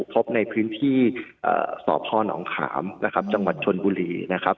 ที่ถูกพบในพื้นที่สอบท่อนองคามจังหวัดชนบุรี